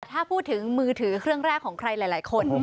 ถ้าพูดถึงมือถือเครื่องแรกของใครหลายคน